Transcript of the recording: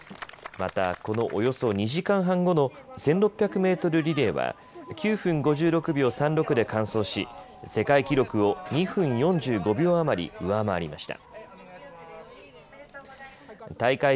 また、このおよそ２時間半後の１６００メートルリレーは９分５６秒３６で完走し、世界記録を２分４５秒余り上回りました。